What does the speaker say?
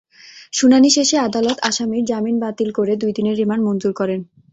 শুনানি শেষে আদালত আসামির জামিন বাতিল করে দুই দিনের রিমান্ড মঞ্জুর করেন।